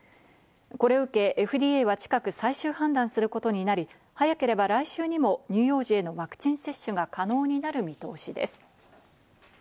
これを受け、ＦＤＡは近く最終判断することになり、早ければ来週にも乳幼児へのワクチン接種が可能になる見通しです。